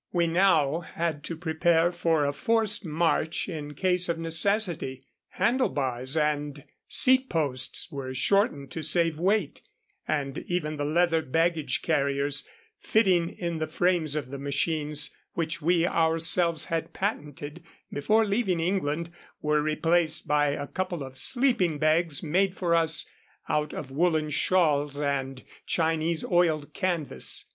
We now had to prepare for a forced march in case of necessity. Handle bars and seat posts were shortened to save weight, and even the leather baggage carriers, fitting in the frames of the machines, which we ourselves had patented before leaving England, were replaced by a couple of sleeping bags made for us out of woolen shawls and Chinese oiled canvas.